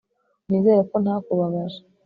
Nizere ko ntakubabaje